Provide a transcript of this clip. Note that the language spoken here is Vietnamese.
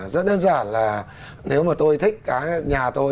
rất đơn giản là nếu mà tôi thích cái nhà tôi